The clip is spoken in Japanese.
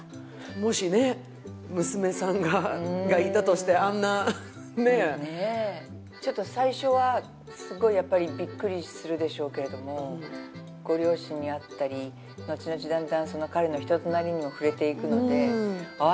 もしね娘さんがいたとしてあんなねえちょっと最初はすごいやっぱりビックリするでしょうけれどもご両親に会ったり後々だんだん彼の人となりにも触れていくのでああ